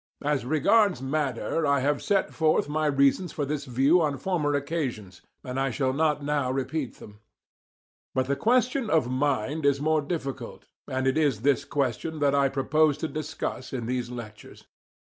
As regards matter, I have set forth my reasons for this view on former occasions,* and I shall not now repeat them. But the question of mind is more difficult, and it is this question that I propose to discuss in these lectures.